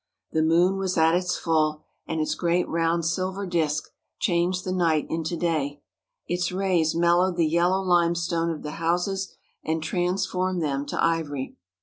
The moon was at its full, and its great round silver disk changed the night into day. Its rays mel lowed the yellow limestone of the houses and transformed them to ivory.